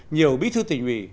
nhiều bí thư tỉnh ủy